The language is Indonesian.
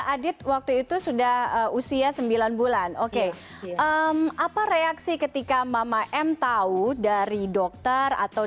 adit waktu itu sudah usia sembilan bulan oke apa reaksi ketika mama m tahu dari dokter atau